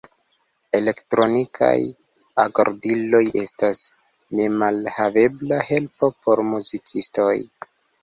Elektronikaj agordiloj estas nemalhavebla helpo por muzikistoj.